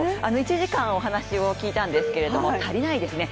１時間お話を聞いたんですけれども、足りないですね。